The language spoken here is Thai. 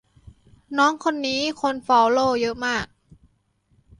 น้องคนนี้คนฟอลโลว์เยอะมาก